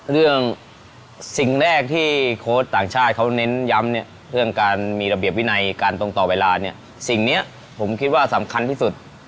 สิ่งแรกที่โค้ชต่างชาติเขาเน้นย้ำเนี่ยเรื่องการมีระเบียบวินัยการตรงต่อเวลาเนี่ยสิ่งนี้ผมคิดว่าสำคัญที่สุด